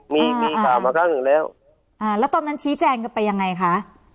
มีมีข่าวมาครั้งหนึ่งแล้วอ่าแล้วตอนนั้นชี้แจงกันไปยังไงคะ